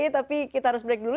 tapi kita harus break dulu